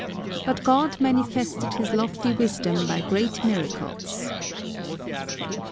But God manifested his lofty wisdom by great miracles."